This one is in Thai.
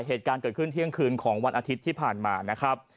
เหตุการณ์เกิดขึ้นเที่ยงคืนของวันอาทิตย์ที่ผ่านมานะครับ